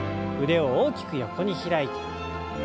腕を大きく横に開いて。